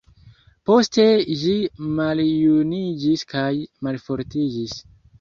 Poste ĝi maljuniĝis kaj malfortiĝis.